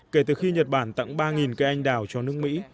kể từ khi nhật bản tặng ba cây anh đào cho nước mỹ